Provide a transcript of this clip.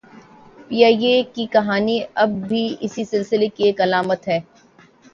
P I A کی کہانی بھی اس سلسلے کی ایک علامت ہے۔